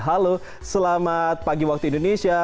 halo selamat pagi waktu indonesia